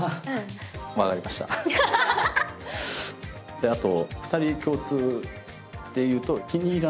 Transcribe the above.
であと。